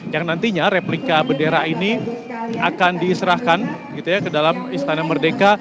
yang nantinya replika bendera ini akan diserahkan ke dalam istana merdeka